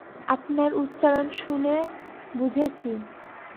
আপনার উচ্চারণ শুনে বুঝেছি।